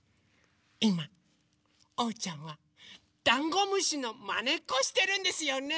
いまおうちゃんはダンゴムシのまねっこしてるんですよね。